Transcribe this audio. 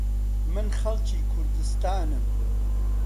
من خەڵکی کوردستانم.